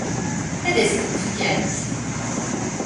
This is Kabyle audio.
Ad as-tent-tefkemt?